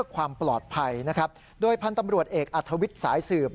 ความปลอดภัยนะครับโดยพันธุ์ตำรวจเอกอัธวิทย์สายสืบ